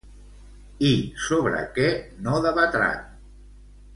I sobre què no debatran?